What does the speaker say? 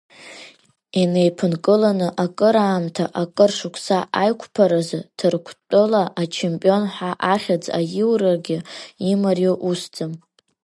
Инеиԥынкыланы акыраамҭа, акыр шықәса аиқәԥаразы Ҭырқәтәыла ачемпион ҳәа ахьӡ аиурагьы имариоу усӡам.